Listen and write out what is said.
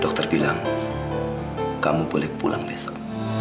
dokter bilang kamu boleh pulang besok